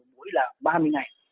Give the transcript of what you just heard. mỗi là ba mươi ngày